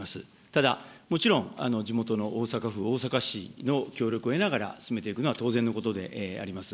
ただもちろん地元の大阪府、大阪市の協力を得ながら進めていくのは当然のことであります。